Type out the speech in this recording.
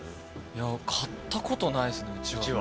いや買ったことないですねうちわって。